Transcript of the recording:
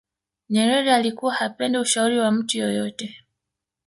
nyerere alikuwa hapendi ushauri wa mtu yeyote